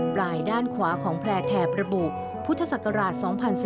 ปลายด้านขวาของแพร่แถบระบุพุทธศักราช๒๔๙